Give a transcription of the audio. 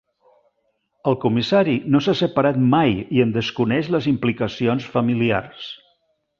El comissari no s'ha separat mai i en desconeix les implicacions familiars.